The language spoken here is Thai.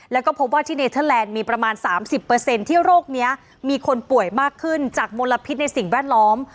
แล้วก็พบว่าที่เนเทอร์แลนด์มีประมาณ๓๐ที่โรคนี้มีคนป่วยมากขึ้นจากมลพิษในสิ่งแวดล้อม